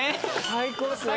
最高っす。